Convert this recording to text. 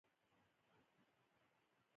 له پرون مازیګر باران پیل شوی و.